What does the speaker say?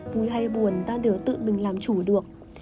vui hay buồn ta đều tự mình làm chủ được